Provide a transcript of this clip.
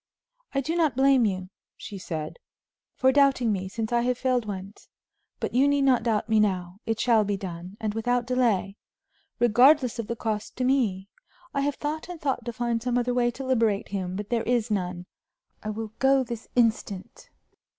"I do not blame you," she said, "for doubting me, since I have failed once; but you need not doubt me now. It shall be done, and without delay, regardless of the cost to me. I have thought and thought to find some other way to liberate him, but there is none; I will go this instant."